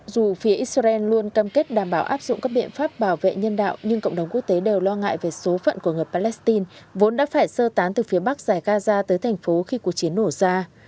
dù phía israel luôn cam kết đảm bảo áp dụng các biện pháp bảo vệ nhân đạo nhưng cộng đồng quốc tế đều lo ngại về số phận của người palestine vốn đã phải sơ tán từ phía bắc giải gaza tới thành phố khi cuộc chiến nổ ra